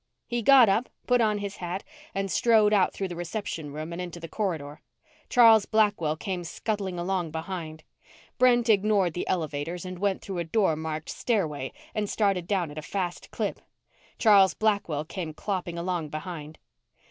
He got up, put on his hat, and strode out through the reception room and into the corridor. Charles Blackwell came scuttling along behind. Brent ignored the elevators and went through a door marked Stairway and started down at a fast clip. Charles Blackwell came clopping along behind.